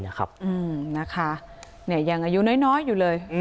นะคะยังอายุน้อยอยู่เลย